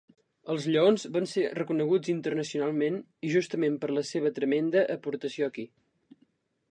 Els Lleons van ser reconeguts internacionalment i justament per la seva tremenda aportació aquí.